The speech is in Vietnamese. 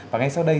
và ngay sau đây